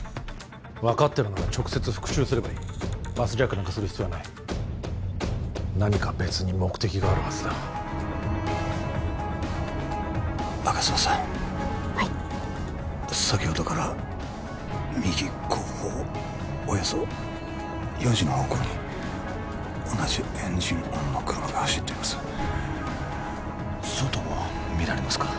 分かってるなら直接復讐すればいいバスジャックなんかする必要はない何か別に目的があるはずだ吾妻さんはい先ほどから右後方およそ４時の方向に同じエンジン音の車が走っています外は見られますか？